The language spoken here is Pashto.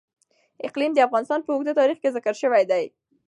اقلیم د افغانستان په اوږده تاریخ کې ذکر شوی دی.